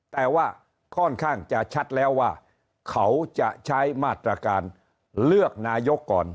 แต่ว่าค่อนข้างจะชัดแล้วว่าเขาจะใช้มาตรการเลือกนายกก่อน